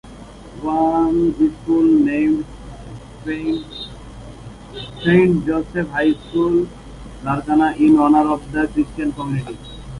One school named Saint Joseph High School Larkana in honor of the Christian community.